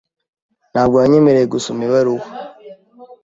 Ntabwo yanyemereye gusoma ibaruwa.